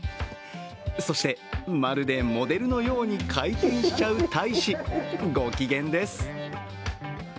そして、まるでモデルのように回転しちゃう大使、ご機嫌です。